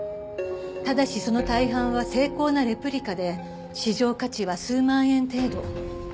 ただしその大半は精巧なレプリカで市場価値は数万円程度。